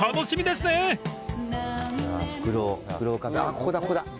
ここだここだ。